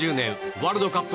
ワールドカップ